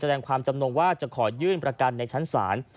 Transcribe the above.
แสดงความจำนงว่าจะขอยื่นประกันในชั้นศาล